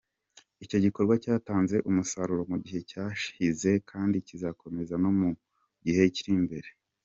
Icyo gikorwa cyatanze umusaruro mu gihe cyashize kandi kizakomeza no mu gihe kiri imbere.